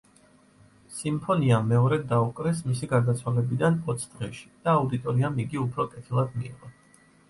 სიმფონია მეორედ დაუკრეს მისი გარდაცვალებიდან ოც დღეში და აუდიტორიამ იგი უფრო კეთილად მიიღო.